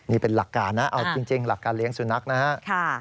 นี่เป็นหลักการนะเอาจริงหลักการเลี้ยงสุนัขนะครับ